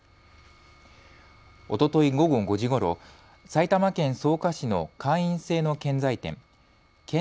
おととい午後５時ごろ、埼玉県草加市の会員制の建材店建